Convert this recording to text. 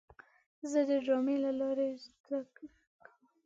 زه د ډرامې له لارې زده کړه کوم.